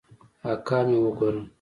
اکا مې وګوره.